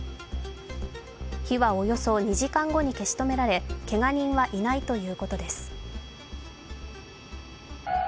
火はおよそ２時間後に消し止められ、けが人はいないということです。